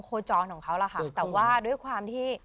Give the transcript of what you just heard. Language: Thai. โคจรของเขาล่ะค่ะแต่ว่าด้วยความที่